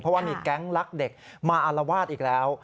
เพราะว่ามีแก๊งลักเด็กมาอารวาสอีกแล้ว